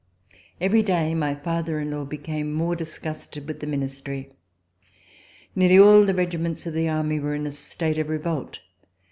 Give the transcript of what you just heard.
Every day my father in law became more disgusted with the Ministry. Nearly all the regiments of the army were in a state of revolt.